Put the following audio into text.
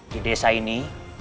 di desa ini